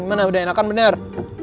gimana udah enakan bener